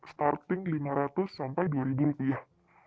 starting lima ratus sampai dua ribu rupiah